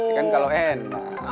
kan kalau enak